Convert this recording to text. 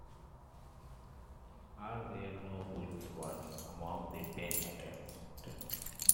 Are there no good ones among the Ten Attendants?